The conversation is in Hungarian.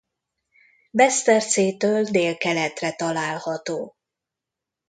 Besztercétől délkeletre található.